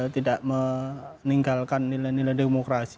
tidak meninggalkan nilai nilai demokrasi